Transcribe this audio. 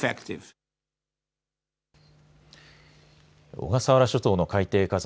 小笠原諸島の海底火山